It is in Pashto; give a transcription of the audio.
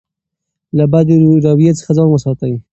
له بدې رویې څخه ځان وساتئ.